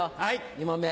２問目。